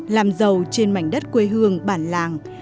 làm giàu trên mảnh đất quê hương bản làng